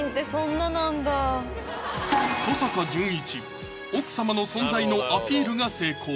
登坂淳一奥様の存在のアピールが成功！